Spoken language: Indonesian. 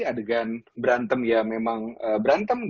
adegan berantem ya memang berantem